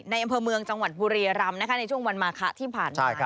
ในอำเภอเมืองจังหวันบุรียรัมน์นะคะในช่วงวันมาเขาที่ผ่าน